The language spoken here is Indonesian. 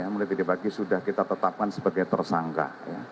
mulai tadi pagi sudah kita tetapkan sebagai tersangka